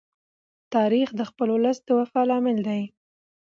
تاریخ د خپل ولس د وفا لامل دی.